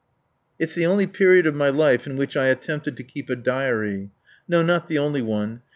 It's the only period of my life in which I attempted to keep a diary. No, not the only one.